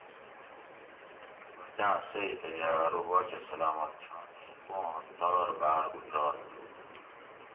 ائ باچا آں سیٔتہ یاۤ ارو باچا سلامت چھاں ایں پواں تار باۤر اوچآت تھو